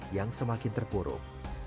yang semakin terpuruk